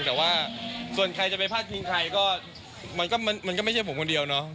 แต่ว่าส่วนใครจะไปพาดพิงใครก็มันก็ไม่ใช่ผมคนเดียวเนาะ